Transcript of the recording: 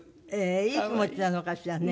いい気持ちなのかしらね。